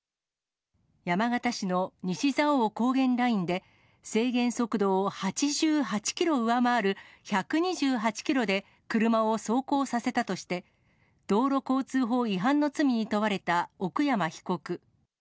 山形市の西蔵王高原ラインで、制限速度を８８キロ上回る１２８キロで車を走行させたとして、道路交通法違反の罪に問われた奥山被告。